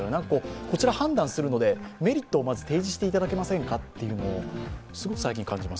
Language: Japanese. こちら判断するのでメリットをまず提示していただけませんかというのをすごく感じます。